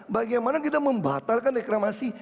bagaimana kita membatalkan reklamasi